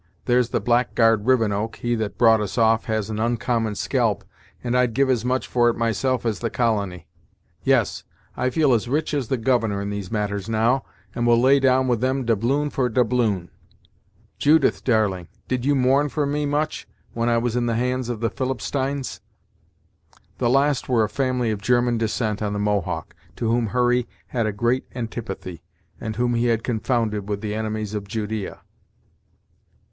There's the blackguard Rivenoak, he that brought us off has an oncommon scalp, and I'd give as much for it myself as the Colony. Yes, I feel as rich as the governor in these matters now, and will lay down with them doubloon for doubloon. Judith, darling, did you mourn for me much, when I was in the hands of the Philipsteins?" The last were a family of German descent on the Mohawk, to whom Hurry had a great antipathy, and whom he had confounded with the enemies of Judea.